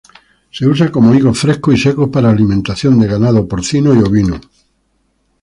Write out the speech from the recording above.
Se usa como higos frescos y secos para alimentación de ganado porcino y ovino.